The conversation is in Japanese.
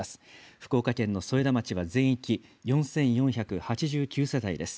福岡県の添田町は全域、４４８９世帯です。